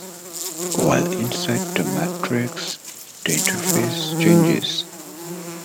While inside the Matrix, the interface changes.